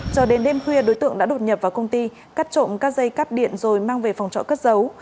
cho đến đêm khuya đối tượng đã đột nhập vào công ty cắt trộn các dây cắp điện rồi mang về phòng trọ cất dấu